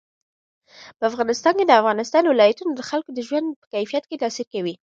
په افغانستان کې د افغانستان ولايتونه د خلکو د ژوند په کیفیت تاثیر کوي.